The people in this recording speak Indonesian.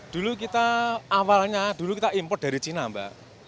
dulu kita awalnya dulu kita import dari cina mbak